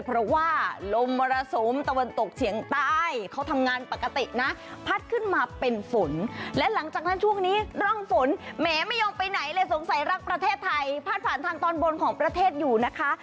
เพราะว่าลมมรสุมตะวันตกเฉียงใต้เขาทำงานปกตินะพัดขึ้นมาเป็นฝนและหลังจากนั้นช่วงนี้ร่องฝนแหมไม่ยอมไปไหนเลยสงสัยรักประเทศไทยพัดผ่านทางตอนบนของประเทศอยู่นะคะ